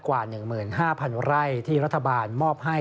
กว่า๑๕๐๐๐ไร่ที่รัฐบาลมอบให้